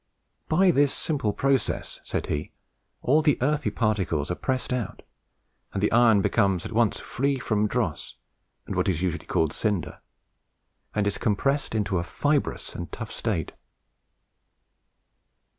"By this simple process," said he, "all the earthy particles are pressed out and the iron becomes at once free from dross, and what is usually called cinder, and is compressed into a fibrous and tough state."